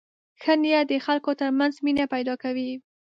ښه نیت د خلکو تر منځ مینه پیدا کوي.